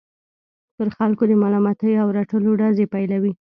پر خلکو د ملامتۍ او رټلو ډزې پيلوي.